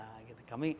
kami sekarang sudah